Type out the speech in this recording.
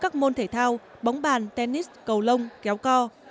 như thể thao bóng bàn tennis cầu lông kéo co